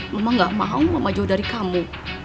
mama gak mau mama jauh dari kamu